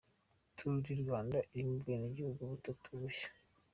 Tour du Rwanda irimo ubwenegihugu butatu bushya .